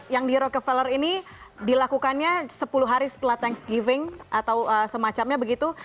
yang di rockefeller ini dilakukannya sepuluh hari setelah thanksgiving atau semacamnya begitu